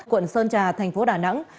quận sơn trà tp đà nẵng